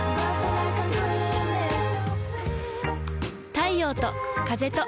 太陽と風と